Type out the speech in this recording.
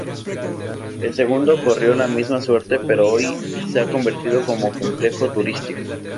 El segundo corrió la misma suerte pero hoy se ha reconvertido como complejo turístico.